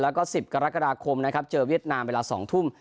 แล้วก็๑๐กรกฎาคมนะครับเจอเวียดนามเวลา๒ทุ่ม